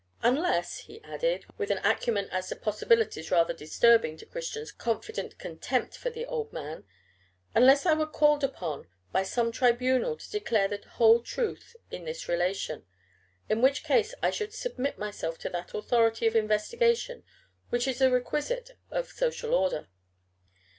"Unless," he added, with an acumen as to possibilities rather disturbing to Christian's confident contempt for the old man "unless I were called upon by some tribunal to declare the whole truth in this relation; in which case I should submit myself to that authority of investigation which is a requisite of social order."